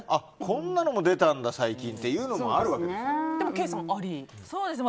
こんなのも出たんだ、最近っていうのもあるわけですよ。